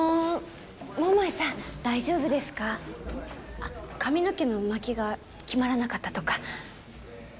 あっ髪の毛の巻きが決まらなかったとか？